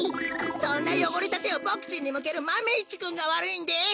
そんなよごれたてをボクちんにむけるマメ１くんがわるいんです！